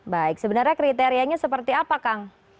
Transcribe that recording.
baik sebenarnya kriterianya seperti apa kang